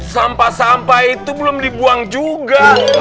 sampah sampah itu belum dibuang juga